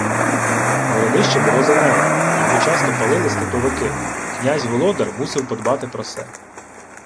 Городище було занедбане, його часто палили степовики. Князь Володар мусив подбати про се.